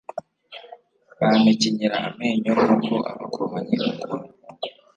Bampekenyera amenyo nk’uko abakobanyi bakora